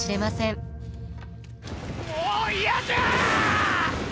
もう嫌じゃあ！